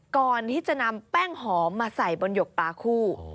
ก่อนที่จะนำแป้งหอมมาใส่บนหยกปลาคู่